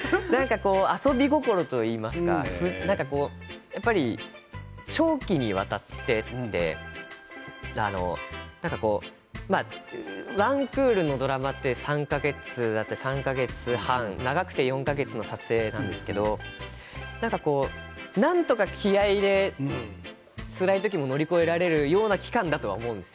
遊び心といいますかやっぱり長期にわたって１クールのドラマは３か月とか長くて４か月の撮影なんですけれどなんとか気合いでつらい時も乗り越えられるような期間だと思うんです。